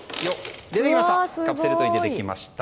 カプセルトイ、出てきました！